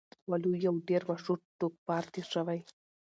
وَلُو يو ډير مشهور ټوکپار تير شوی